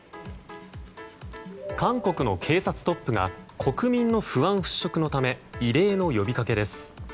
韓国の警察トップが国民の不安払拭のため異例の呼びかけです。